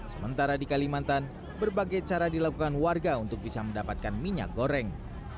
sementara di kalimantan berbagai cara dilakukan warga untuk bisa mendapatkan minyak goreng